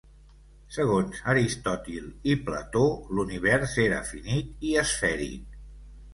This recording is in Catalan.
Segons Aristòtil i Plató, l'univers era finit i esfèric.